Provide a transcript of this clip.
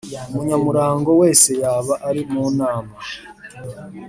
Umunyamurango wese yaba ari mu nama‽